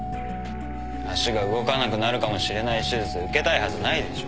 足が動かなくなるかもしれない手術受けたいはずないでしょ